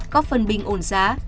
có phân bình ổn giá